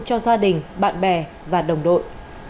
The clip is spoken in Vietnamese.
cho gia đình bạn bè và đồng đội